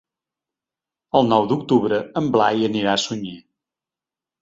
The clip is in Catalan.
El nou d'octubre en Blai anirà a Sunyer.